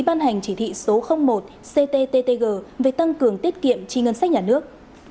ban hành chỉ thị số một ctttg về tăng cường tiết kiệm chi ngân sách nhà nước